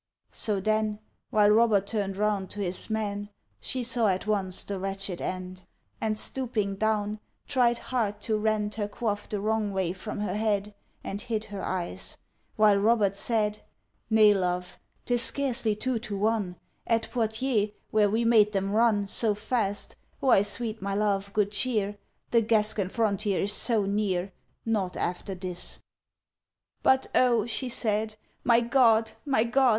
So then, While Robert turn'd round to his men, She saw at once the wretched end, And, stooping down, tried hard to rend Her coif the wrong way from her head, And hid her eyes; while Robert said: Nay, love, 'tis scarcely two to one, At Poictiers where we made them run So fast: why, sweet my love, good cheer, The Gascon frontier is so near, Nought after this. But: O! she said, My God! my God!